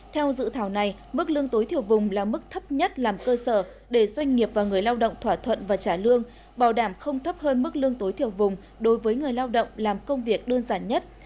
theo dự thảo này mức lương tối thiểu vùng là mức thấp nhất làm cơ sở để doanh nghiệp và người lao động thỏa thuận và trả lương bảo đảm không thấp hơn mức lương tối thiểu vùng đối với người lao động làm công việc đơn giản nhất